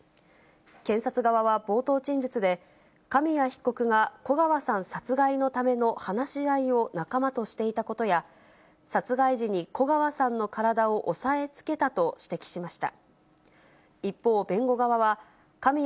検察側は冒頭陳述で、紙谷被告が古川さん殺害のための話し合いを仲間としていたことや、殺害時に古川さんの体を押さえつけたと指摘しました。